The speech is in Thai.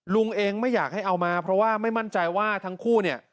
ลุงเองไม่อยากให้เอามาเพราะว่าไม่มั่นใจว่าทั้งคู่เนี่ย